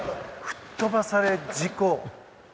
吹っ飛ばされ事故。